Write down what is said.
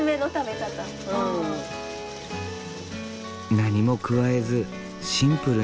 何も加えずシンプルに。